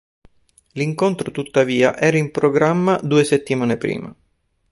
L'incontro, tuttavia, era in programma due settimane prima.